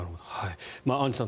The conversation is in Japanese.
アンジュさん